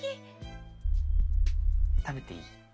食べていい？